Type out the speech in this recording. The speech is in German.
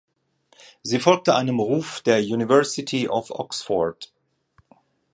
Sie folgte einem Ruf der University of Oxford.